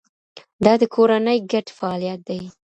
دا د کورنۍ ګډ فعالیت دی.